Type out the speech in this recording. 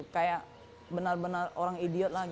kayak benar benar orang idiot lagi